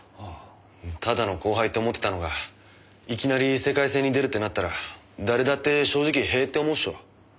ただの後輩って思ってたのがいきなり世界戦に出るってなったら誰だって正直へえって思うっしょ。